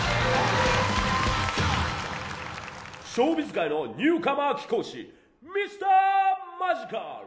ショービズ界のニューカマー貴公子Ｍｒ．マジカル！